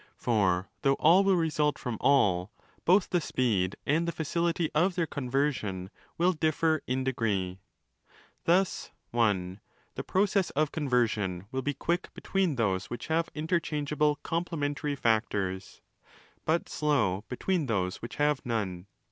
For, though all will result from all, both the speed and the facility of their conversion will differ in degree. 25 Thus (i) the process of conversion will be quick between those which have interchangeable 'complementary factors', but slow between those which have none.